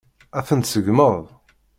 Ad ten-tseggmeḍ?